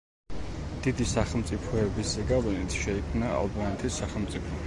დიდი სახელმწიფოების ზეგავლენით შეიქმნა ალბანეთის სახელმწიფო.